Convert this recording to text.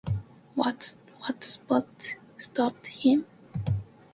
What stopped him?